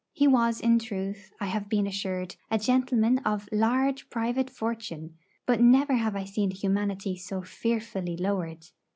He was in truth, I have been assured, a gentleman of large private fortune; but never have I seen humanity so fearfully lowered.